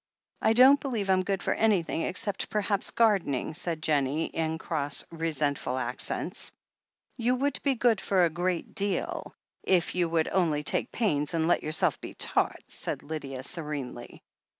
"I don't believe I'm good for anything, except per haps gardening," said Jennie, in cross, resentful ac cents. "You would be good for a great deal, if you would 376 THE HEEL OF ACHILLES only take pains and let yourself be taught/' said Lydia serenely.